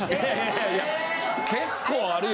いや結構あるよ。